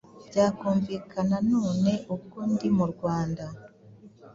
byakumvikana none ubwo ndi mu Rwanda